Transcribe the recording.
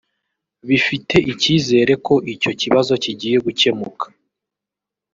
bifite icyizere ko icyo kibazo kigiye gucyemuka